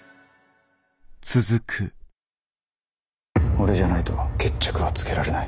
俺じゃないと決着はつけられない。